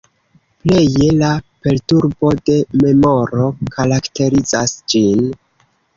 Pleje la perturbo de memoro karakterizas ĝin.